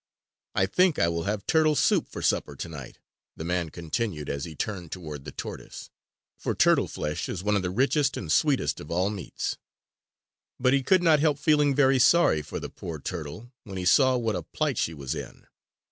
"I think I will have turtle soup for supper tonight," the man continued as he turned toward the tortoise; for turtle flesh is one of the richest and sweetest of all meats. But he could not help feeling very sorry for the poor turtle when he saw what a plight she was in.